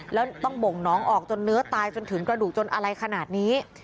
แล้วต้องบ่งน้องออกจนเนื้อตายจนถึงกระดูกจนอะไรขนาดนี้